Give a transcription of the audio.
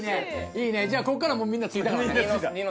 いいねじゃあこっからもうみんなついたからね。